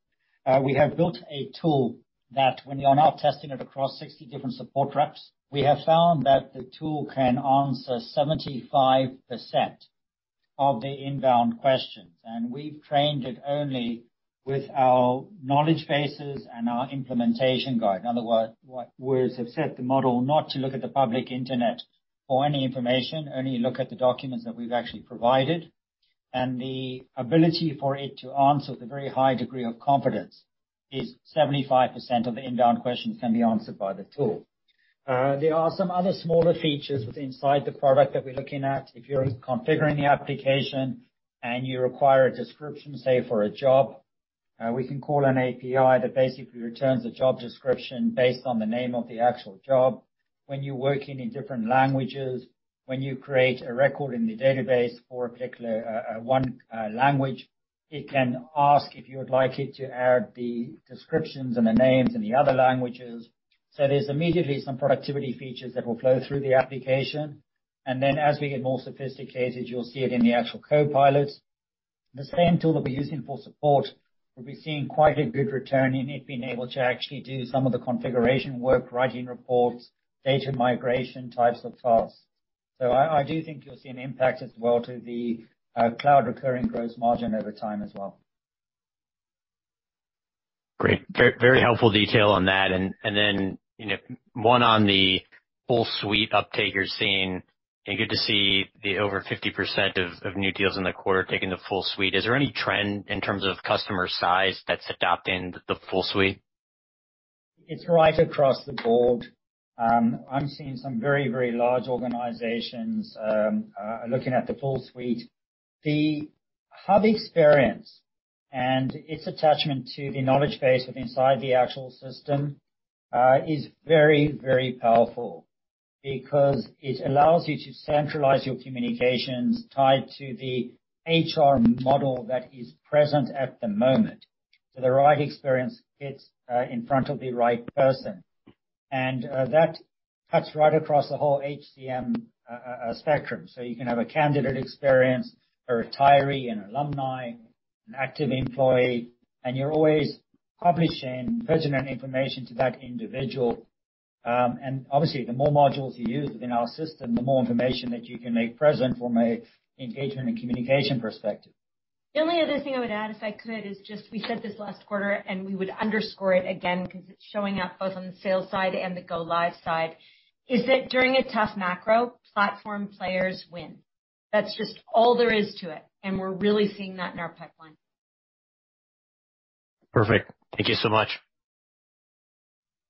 We have built a tool that when you are now testing it across 60 different support reps, we have found that the tool can answer 75% of the inbound questions, and we've trained it only with our knowledge bases and our implementation guide. In other words, we have set the model not to look at the public internet for any information, only look at the documents that we've actually provided. The ability for it to answer the very high degree of confidence is 75% of the inbound questions can be answered by the tool. There are some other smaller features inside the product that we're looking at. If you're configuring the application and you require a description, say, for a job, we can call an API that basically returns the job description based on the name of the actual job. When you're working in different languages, when you create a record in the database for a particular one language, it can ask if you would like it to add the descriptions and the names in the other languages. There's immediately some productivity features that will flow through the application. Then as we get more sophisticated, you'll see it in the actual copilots. The same tool that we're using for support, we'll be seeing quite a good return in it being able to actually do some of the configuration work, writing reports, data migration types of tasks. I do think you'll see an impact as well to the cloud recurring gross margin over time as well. Great. Very helpful detail on that. You know, one on the full suite uptake you're seeing, and good to see the over 50% of new deals in the quarter taking the full suite. Is there any trend in terms of customer size that's adopting the full suite? It's right across the board. I'm seeing some very, very large organizations looking at the full suite. The Hub experience and its attachment to the knowledge base inside the actual system is very, very powerful because it allows you to centralize your communications tied to the HR model that is present at the moment, so the right experience gets in front of the right person. That cuts right across the whole HCM spectrum. You can have a candidate experience, a retiree, an alumni, an active employee, and you're always publishing pertinent information to that individual. Obviously, the more modules you use within our system, the more information that you can make present from an engagement and communication perspective. The only other thing I would add, if I could, is just we said this last quarter, and we would underscore it again 'cause it's showing up both on the sales side and the go live side, is that during a tough macro, platform players win. That's just all there is to it, and we're really seeing that in our pipeline. Perfect. Thank you so much.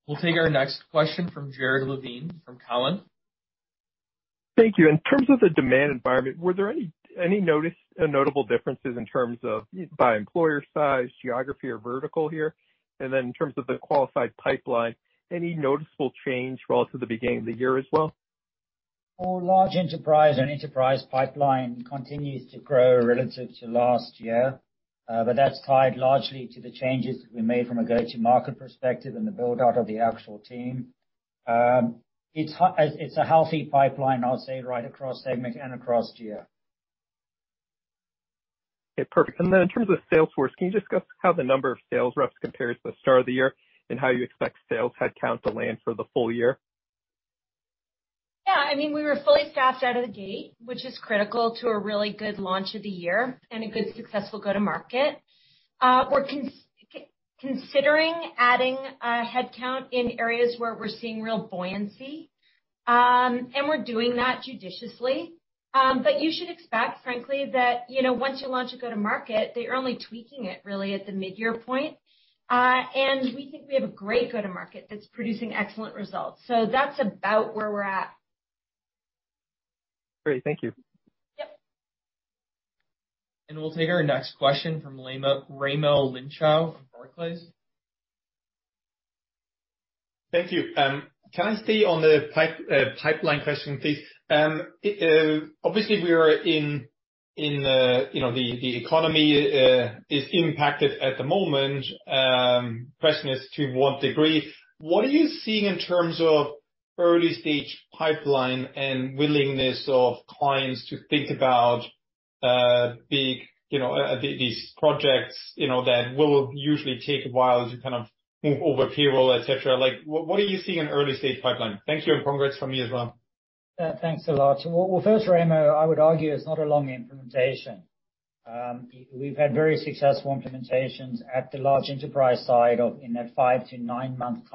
We'll take our next question from Jared Levine from Cowen. Thank you. In terms of the demand environment, were there any notable differences in terms of by employer size, geography, or vertical here? Then in terms of the qualified pipeline, any noticeable change relative to the beginning of the year as well? Our large enterprise and enterprise pipeline continues to grow relative to last year, but that's tied largely to the changes we made from a go-to-market perspective and the build-out of the actual team. It's a healthy pipeline, I'll say, right across segment and across geo. Okay, perfect. Then in terms of sales force, can you discuss how the number of sales reps compares to the start of the year and how you expect sales headcount to land for the full year? Yeah. I mean, we were fully staffed out of the gate, which is critical to a really good launch of the year and a good successful go-to-market. We're considering adding headcount in areas where we're seeing real buoyancy, and we're doing that judiciously. You should expect, frankly, that, you know, once you launch a go-to-market, they're only tweaking it really at the mid-year point. We think we have a great go-to-market that's producing excellent results. That's about where we're at. Great. Thank you. Yep. We'll take our next question from Raimo Lenschow from Barclays. Thank you. Can I stay on the pipeline question, please? Obviously we are in, you know, the economy, is impacted at the moment. Question is to what degree. What are you seeing in terms of early stage pipeline and willingness of clients to think about, big, you know, these projects, you know, that will usually take a while as you kind of move over payroll, et cetera? Like, what are you seeing in early stage pipeline? Thank you, and congrats from me as well. Thanks a lot. Well first, Raimo, I would argue it's not a long implementation. we've had very successful implementations at the large enterprise side of, in that five to nine-month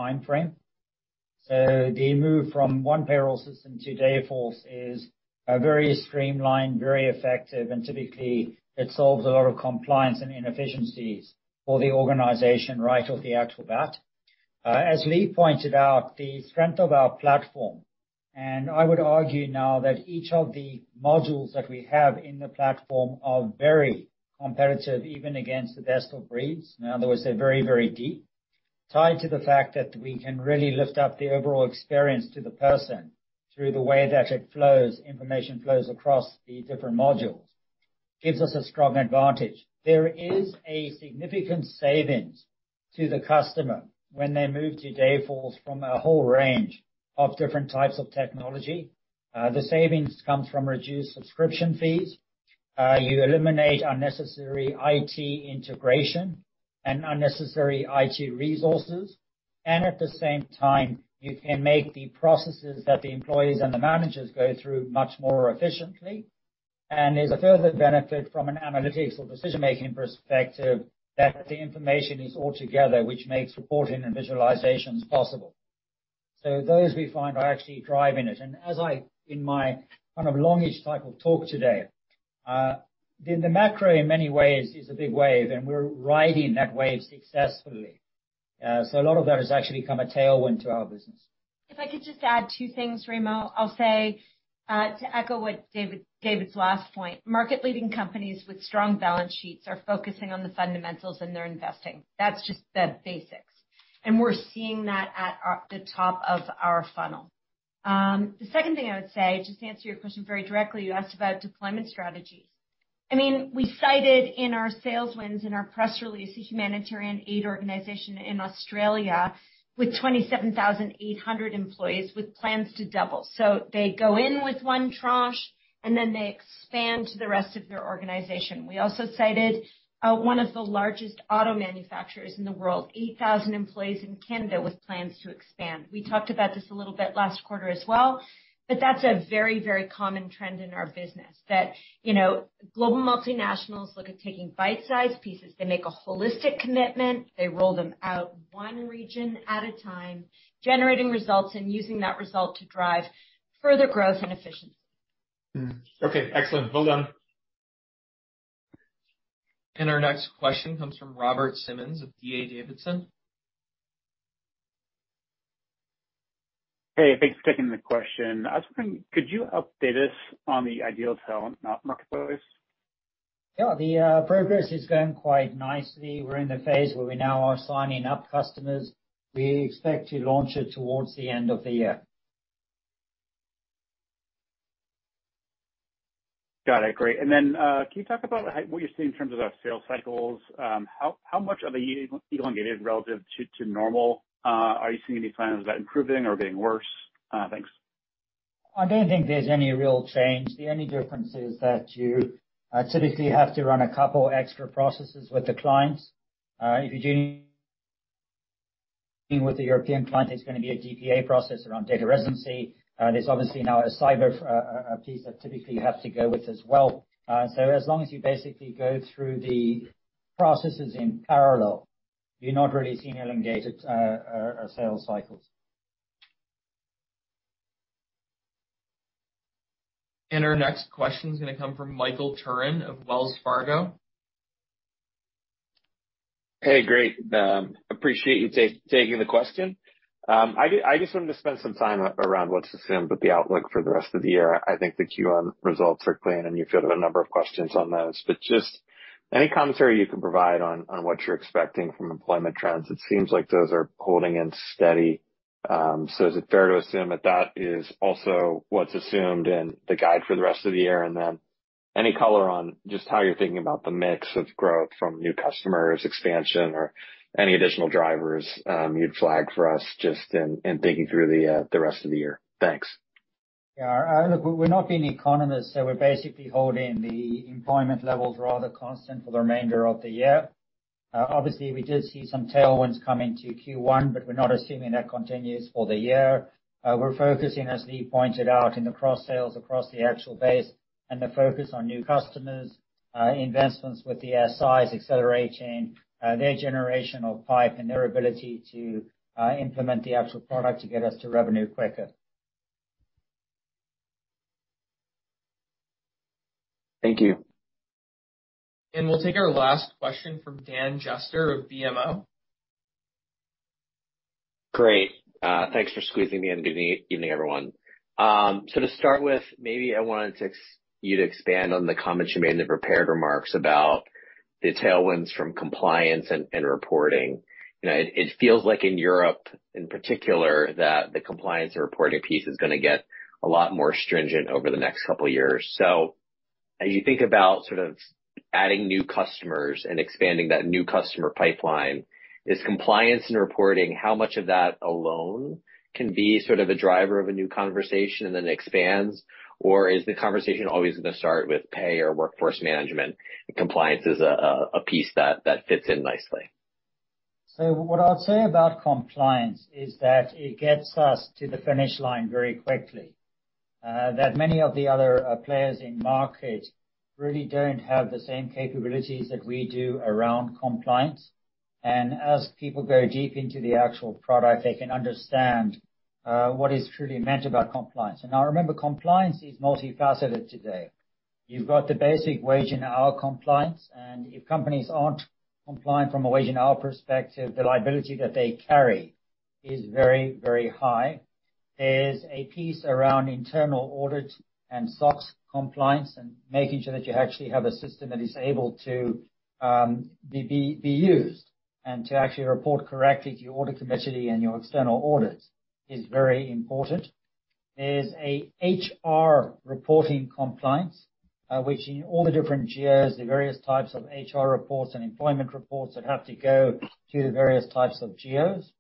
timeframe. The move from one payroll system to Dayforce is very streamlined, very effective, and typically it solves a lot of compliance and inefficiencies for the organization right off the actual bat. As Leagh pointed out, the strength of our platform, and I would argue now that each of the modules that we have in the platform are very competitive, even against the best of breeds. In other words, they're very, very deep. Tied to the fact that we can really lift up the overall experience to the person through the way that it flows, information flows across the different modules, gives us a strong advantage. There is a significant savings to the customer when they move to Dayforce from a whole range of different types of technology. The savings comes from reduced subscription fees. You eliminate unnecessary IT integration and unnecessary IT resources. At the same time, you can make the processes that the employees and the managers go through much more efficiently. There's a further benefit from an analytics or decision-making perspective that the information is all together, which makes reporting and visualizations possible. Those we find are actually driving it. As I, in my kind of longish type of talk today, the macro in many ways is a big wave, and we're riding that wave successfully. A lot of that has actually become a tailwind to our business. If I could just add two things, Raimo. I'll say, to echo what David's last point, market leading companies with strong balance sheets are focusing on the fundamentals and they're investing. That's just the basics. We're seeing that at our, the top of our funnel. The second thing I would say, just to answer your question very directly, you asked about deployment strategies. I mean, we cited in our sales wins in our press release a humanitarian aid organization in Australia with 27,800 employees with plans to double. They go in with one tranche, and then they expand to the rest of their organization. We also cited, one of the largest auto manufacturers in the world, 8,000 employees in Canada with plans to expand. We talked about this a little bit last quarter as well, but that's a very, very common trend in our business that, you know, global multinationals look at taking bite-sized pieces. They make a holistic commitment. They roll them out one region at a time, generating results and using that result to drive further growth and efficiency. Okay. Excellent. Well done. Our next question comes from Robert Simmons of D.A. Davidson. Hey, thanks for taking the question. I was wondering, could you update us on the Ideal Talent Marketplace? Yeah. The progress is going quite nicely. We're in the phase where we now are signing up customers. We expect to launch it towards the end of the year. Got it. Great. Can you talk about how, what you're seeing in terms of the sales cycles? How much are they elongated relative to normal? Are you seeing any signs of that improving or getting worse? Thanks. I don't think there's any real change. The only difference is that you typically have to run a couple extra processes with the clients. If you're doing with a European client, it's gonna be a DPA process around data residency. There's obviously now a cyber piece that typically you have to go with as well. As long as you basically go through the processes in parallel, you're not really seeing elongated sales cycles. Our next question is going to come from Michael Turrin of Wells Fargo. Hey, great. I appreciate you taking the question. I just wanted to spend some time around what's assumed with the outlook for the rest of the year. I think the Q1 results are clean, and you've got a number of questions on those. Just any commentary you can provide on what you're expecting from employment trends. It seems like those are holding in steady. Is it fair to assume that that is also what's assumed in the guide for the rest of the year? Then any color on just how you're thinking about the mix of growth from new customers, expansion or any additional drivers you'd flag for us just in thinking through the rest of the year. Thanks. Look, we're not being economists, we're basically holding the employment levels rather constant for the remainder of the year. Obviously, we did see some tailwinds come into Q1, we're not assuming that continues for the year. We're focusing, as Leagh pointed out, in the cross sales across the actual base and the focus on new customers, investments with the SI accelerating, their generational pipe and their ability to implement the actual product to get us to revenue quicker. Thank you. We'll take our last question from Daniel Jester of BMO. Great. Thanks for squeezing me in. Good evening, everyone. To start with, maybe I wanted you to expand on the comments you made in the prepared remarks about the tailwinds from compliance and reporting. You know, it feels like in Europe in particular, that the compliance and reporting piece is gonna get a lot more stringent over the next two years. As you think about sort of adding new customers and expanding that new customer pipeline, is compliance and reporting, how much of that alone can be sort of a driver of a new conversation and then expands? Or is the conversation always gonna start with pay or Workforce Management, and compliance is a piece that fits in nicely? What I would say about compliance is that it gets us to the finish line very quickly, that many of the other players in market really don't have the same capabilities that we do around compliance. As people go deep into the actual product, they can understand what is truly meant about compliance. Now remember, compliance is multifaceted today. You've got the basic wage and hour compliance, and if companies aren't compliant from a wage and hour perspective, the liability that they carry is very, very high. There's a piece around internal audit and SOX compliance and making sure that you actually have a system that is able to be used and to actually report correctly to your audit committee and your external auditors is very important. There's a HR reporting compliance, which in all the different geos, the various types of HR reports and employment reports that have to go to the various types of geos.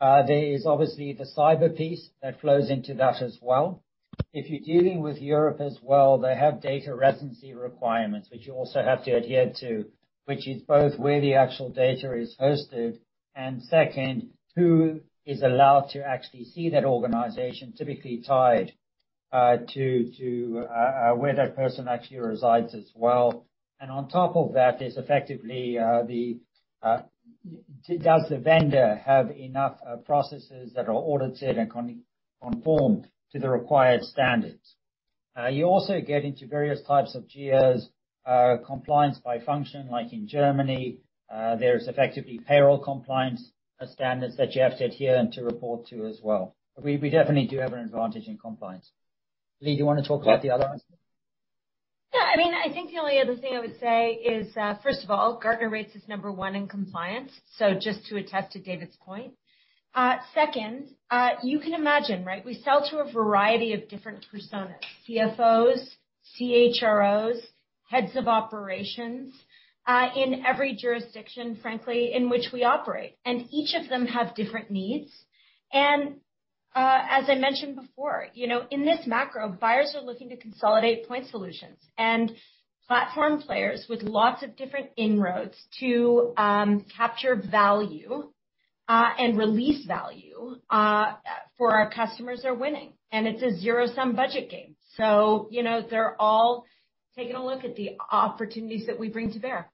There is obviously the cyber piece that flows into that as well. If you're dealing with Europe as well, they have data residency requirements, which you also have to adhere to, which is both where the actual data is hosted, and second, who is allowed to actually see that organization typically tied to where that person actually resides as well. On top of that is effectively the does the vendor have enough processes that are audited and conformed to the required standards? You also get into various types of geos, compliance by function, like in Germany, there's effectively payroll compliance, standards that you have to adhere and to report to as well. We definitely do have an advantage in compliance. Leagh, do you wanna talk about the other ones? Yeah. I mean, I think the only other thing I would say is, first of all, Gartner rates us number 1 in compliance, so just to attest to David's point. Second, you can imagine, right? We sell to a variety of different personas, CFOs, CHROs, heads of operations, in every jurisdiction, frankly, in which we operate, and each of them have different needs. As I mentioned before, you know, in this macro, buyers are looking to consolidate point solutions. Platform players with lots of different inroads to capture value and release value for our customers are winning, and it's a zero-sum budget game. They're all taking a look at the opportunities that we bring to bear.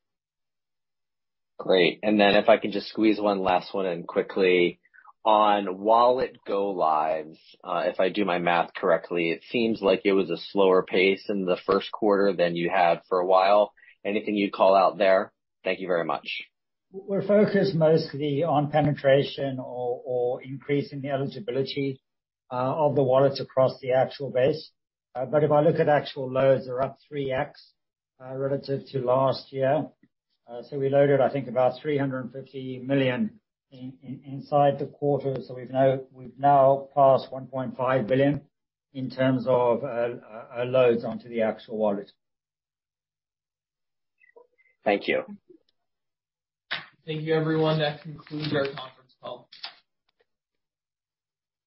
Great. If I can just squeeze one last one in quickly on Wallet go-lives. If I do my math correctly, it seems like it was a slower pace in the first quarter than you had for a while. Anything you'd call out there? Thank you very much. We're focused mostly on penetration or increasing the eligibility of the wallets across the actual base. If I look at actual loads, they're up 3x relative to last year. We loaded, I think, about $350 million inside the quarter. We've now passed $1.5 billion in terms of loads onto the actual wallet. Thank you. Thank you, everyone. That concludes our conference call.